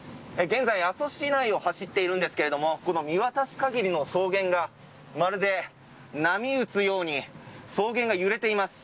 現在阿蘇市内を走っているんですが見渡す限りの草原がまるで波打つように草原が揺れています。